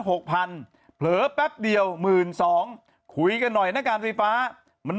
หกพันเผลอแป๊บเดียวหมื่นสองคุยกันหน่อยนะการไฟฟ้ามัน